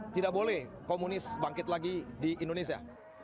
tidak boleh komunis bangkit lagi di indonesia